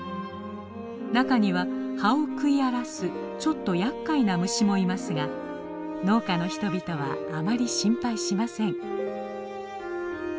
中には葉を食い荒らすちょっとやっかいな虫もいますが農家の人々はあまり心配しません。